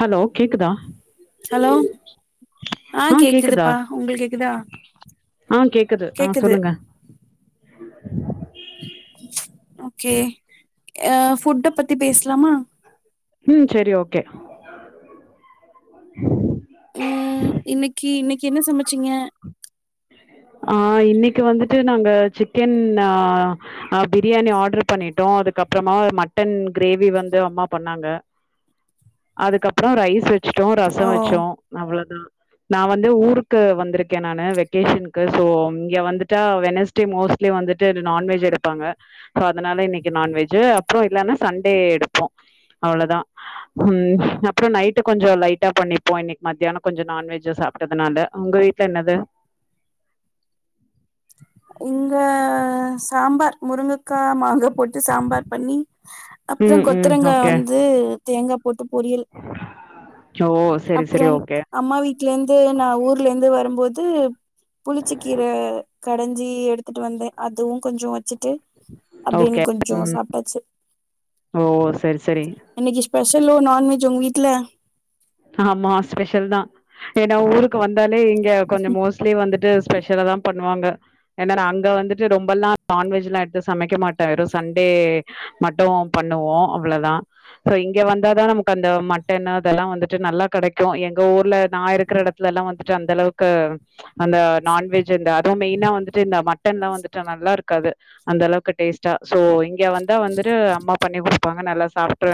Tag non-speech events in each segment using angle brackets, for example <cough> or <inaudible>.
hello கேக்குதா hello ஆ கேக்குது பா உங்களுக்கு கேக்குதா ஆ கேக்குது ஆ சொல்லுங்க ஓகே அ ஃபுட்ட பத்தி பேசலாமா ம் செரி ஓகே இன்னிக்கி இன்னிக்கி என்ன சமச்சீங்க ஆ இன்னிக்கு வந்துட்டு நாங்க சிக்கன் ஆ ஆ பிரியாணி ஆர்டர் பண்ணிட்டோ அதுக்கப்பறமா மட்டன் கிரேவி வந்து அம்மா பண்ணாங்க <unintelligible> அதுக்கப்பற ரைஸ் வச் ச்சுட்டோ ஓ ரசம் வச்சோ அவ்ளோதா நா வந்து ஊருக்கா வந்திருகே நானு வெக் வெகேஷனுக்கு சோ இங்க வந்துட்டா வெனஸ்டே மோஸ்லி வந்துட்டு நான்வெஜ் எடுப்பாங்க சோ அதனால இன்னிக்கு நான்வெஜ் அப்புற இல்லன்னா சண்டே எடுப்போ அவ்ளோதா ம் அப்பற நைட்டு கொஞ்சோ லைட்டா பண்ணிப்போ இன்னிக்கு மதியான கொஞ்சோ நான்வெஜ்ஜா சாப்டதுனால உங்க வீட் என்னது உங்க சாம்பார் முருங்கக்கா மாங்கா போட் சாம்பார் பண்ணி அப்பற ம் ம் கொத்தரங்கா ஓகே வந்து தேங்கா கூட்டு பொரியல் ஓ சரி சரி அப்புறம் ஓகே அம்மா வீட் ட்ல இருந்து நான் ஊர்ல இருந்து வரும்போது புளிச்ச கீர கடஞ்சி எடுத்துட்டு வந்தேன் அதுவும் கொஞ்சோ ச்சுட்டு அப்பிடின்னு ஓகே கொஞ்சம் ம் சாப்ட்டாச்சு ஓ சரி சரி இன்னிக்கு ஸ்பெஷலோ நான்வெஜ் உங்க வீட்ல ஆமா ஸ்பெஷல் தா ஏன்னா ஊருக்கு வந்தாலே இங்க கொஞ்சம் மோஸ்ட்லி வந்துட்டு ஸ்பெஷலா தான் பண்ணுவாங்க ஏன்னா அங்க வந்துட்டு ரொம்பெல்லாம் நான்வெஜ் எல்லாம் எடுத்து சமைக்க மாட்டே வெறும் சண்டே மட்டு பண்ணுவோம் அவ்ளோ தான் சோ இங்க வந்தாதான் நமக்கு அந்த மட்டன்னு அதெல்லாம் வந் நல்லா கெடைக்கு எங்க ஊர்ல நா இருக்கற எடத்துல எல்லா வந்துட்டு அந்த அளவுக்கு அந்த நான்வெஜ் அது மெய்னா வந்துட்டு இந்த மட்டன்லா வந்துட்டு நல்லாருக்காது அந்த அளவுக்கு டேஸ்ட் ச்சா சோ இங்க வந்தா வந்துட்டு அம்மா பண்ணி குடுப்பாங்க நல்லா சாப்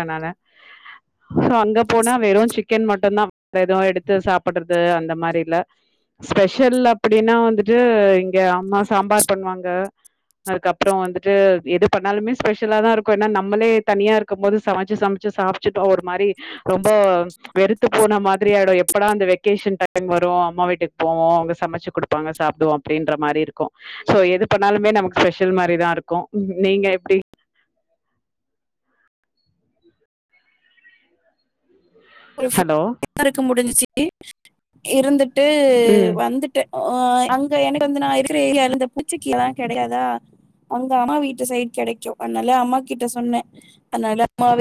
சோ அங்க போனா வெறும் சிக் சிக்கன் மட்டும் தான் வெறோ எடுத்து சாப்பிடுறது அந்த மாரி இல்ல ஸ்பெஷல் அப்பிடின்னா வந்துட்டு இங்க அம்மா சாம்பார் பண்ணுவாங்க அதுக்கப்புறம் வந்துட்டு எது பண்ணாலுமே ஸ்பெஷலா தான் இருக்கும் என்ன நம்மளே தனியா இருக்கும் போது சமைச்சு சமைச்சு சாப் ச்சுட்டோ ஒரு மாரி ரொம்ப வெறுத்து போன மாதிரி ஆயிடும் எப்படா அந்த வெக்கேஷன் டைம் வரும் அம்மா வீட்டுக்கு போவோம் அவுங்க சமைச்சு குடுப் ப்பாங்க சாப்பிடுவோம் அப்பிடின்ற மாரி இருக்கோ சோ எது பண்ணாலுமே நமக்கு ஸ்பெஷல் மாரிதான் இருக்கும் நீங்க எப்டி ஒரு ஹலோ இருக்க முடிஞ்சிச்சு இருந்துட்டு ம் வந்துட்ட அ அங்க எனக்கு வந்து நான் இருக்கிற ஏரிய இந்த புளிச்ச கீரல்லாம் கெடையாதா அவுங்க அம்மா வீட்டு சைடு கெடைக்கும் அதனால அம்மா கிட்ட சொன்னே அதனால அம்மாவே